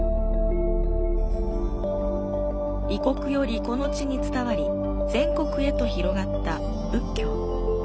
異国よりこの地に伝わり、全国へと広がった仏教。